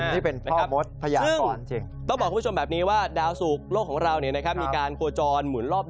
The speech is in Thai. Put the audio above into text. ซึ่งต้องบอกคุณผู้ชมแบบนี้ว่าดาวสุกโลกของเรามีการโคจร